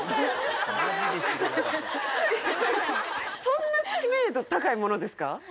そんな知名度高いものですか？